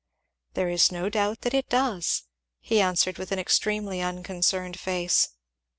"There is no doubt it does," he answered with an extremely unconcerned face.